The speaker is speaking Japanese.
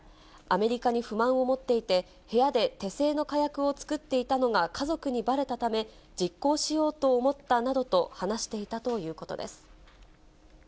アメリカに不満を持っていて、部屋で手製の火薬を作っていたのが家族にばれたため、実行しようと思ったなどと話していたということです。